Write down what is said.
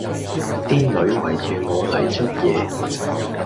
啲女圍住我嚟捽嘢